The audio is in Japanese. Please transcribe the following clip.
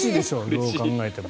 どう考えても。